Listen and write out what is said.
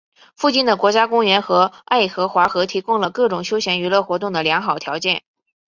附近的国家公园和爱荷华河提供了各种休闲娱乐活动的良好条件。